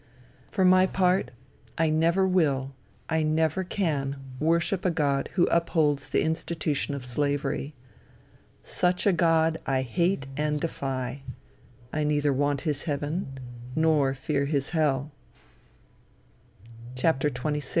For my part, I never will, I never can, worship a God who upholds the institution of slavery. Such a God I hate and defy. I neither want his heaven, nor fear his hell. XXVI.